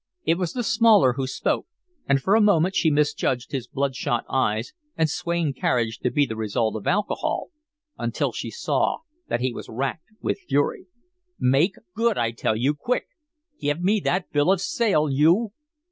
It was the smaller who spoke, and for a moment she misjudged his bloodshot eyes and swaying carriage to be the result of alcohol, until she saw that he was racked with fury. "Make good, I tell you, quick! Give me that bill of sale, you